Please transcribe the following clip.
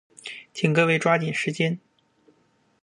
请各位抓紧时间。